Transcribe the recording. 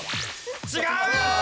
違う！